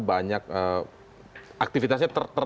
banyak aktivitasnya tertutup